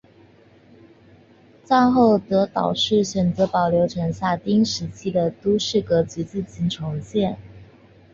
战后德岛市选择保留城下町时期的都市格局进行重建。